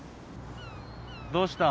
どうした？